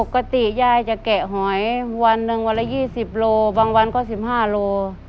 ปกติยายจะแกะหอยวันหนึ่งวันละ๒๐โลบางวันก็๑๕โล